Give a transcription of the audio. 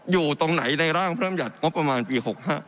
อยู่ตรงไหนในร่างพระรำหยัติงบประมาณปี๖๕